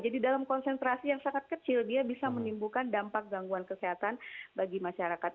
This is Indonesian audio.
jadi dalam konsentrasi yang sangat kecil dia bisa menimbulkan dampak gangguan kesehatan bagi masyarakat